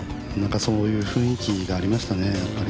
そういう雰囲気がありましたね。